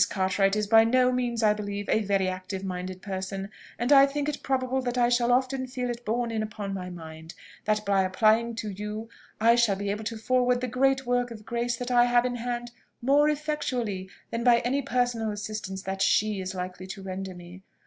Cartwright is by no means, I believe, a very active minded person; and I think it probable that I shall often feel it borne in upon my mind, that by applying to you I shall be able to forward the great work of grace that I have in hand more effectually than by any personal assistance that she is likely to render me.